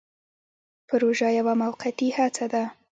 پروژه یوه موقتي هڅه ده